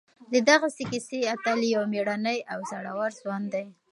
د دغې کیسې اتل یو مېړنی او زړور ځوان دی.